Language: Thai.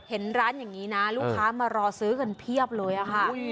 เห็นร้านอย่างนี้นะลูกค้ามารอซื้อกันเพียบเลยค่ะ